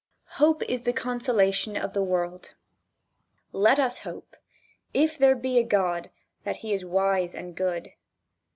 Hope is the consolation of the world. Let us hope, if there be a God that he is wise and good.